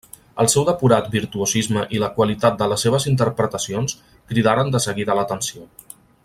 El seu depurat virtuosisme i la qualitat de les seves interpretacions cridaren de seguida l'atenció.